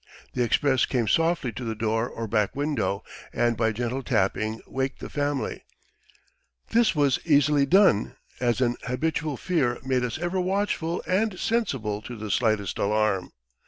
The express came softly to the door or back window, and by gentle tapping waked the family; this was easily done, as an habitual fear made us ever watchful and sensible to the slightest alarm.